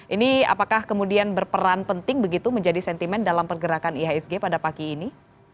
ini apakah kemudian berperan penting begitu menjadi sentimen dalam pergerakan ihsg pada pagi ini